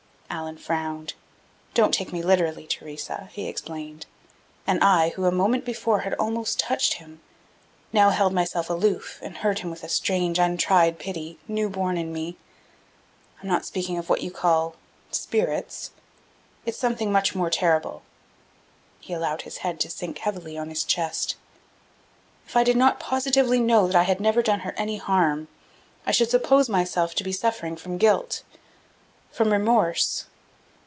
Allan frowned. "Don't take me literally, Theresa," he explained; and I, who a moment before had almost touched him, now held myself aloof and heard him with a strange untried pity, new born in me. "I'm not speaking of what you call spirits. It's something much more terrible." He allowed his head to sink heavily on his chest. "If I did not positively know that I had never done her any harm, I should suppose myself to be suffering from guilt, from remorse....